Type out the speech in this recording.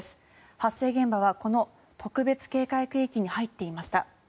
発生現場はこの特別警戒区域に入っていました。